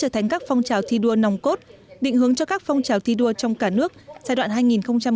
thi đua nòng cốt định hướng cho các phong trào thi đua trong cả nước giai đoạn hai nghìn một mươi sáu hai nghìn hai mươi